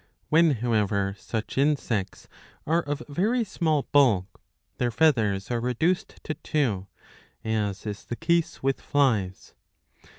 When, however, such insects are of very small bulk, their feathers are reduced to two, as is the case with flies.